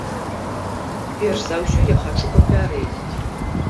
Перш за ўсё я хачу папярэдзіць.